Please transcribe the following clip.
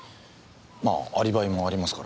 まあアリバイもありますからね。